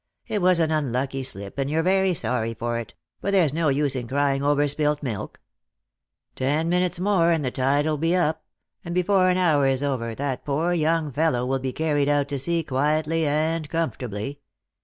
It was an unlucky slip, and you're very sorry for it ; but there's no use in crying over spilt milk. Ten minutes more, and the tide will be up ; and before an hour is over, that poor young fellow will be carried out to sea quietly and comfort ably.